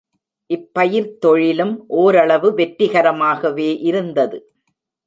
இப்பயிர்த் தொழிலும் ஓரளவு வெற்றிகரமாகவே இருந்தது.